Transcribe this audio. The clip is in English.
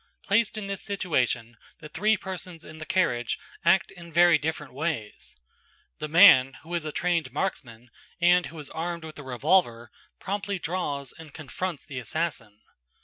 Placed in this situation, the three persons in the carriage act in very different ways. The man, who is a trained marksman, and who is armed with a revolver, promptly draws, and confronts the assassin.